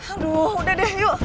aduh udah deh yuk